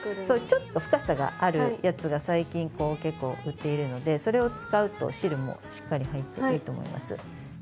ちょっと深さがあるやつが最近結構売っているのでそれを使うと汁もしっかり入っていいと思います。